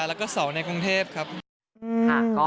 แล้วก็๒ในกรุงเทพใช่ไหมครับ